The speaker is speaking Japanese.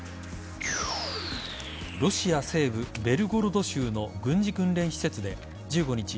ロシア西部ベルゴロド州の軍事訓練施設で１５日